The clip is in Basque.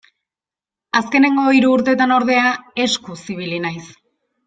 Azkenengo hiru urtetan, ordea, eskuz ibili naiz.